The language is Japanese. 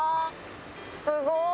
すごーい。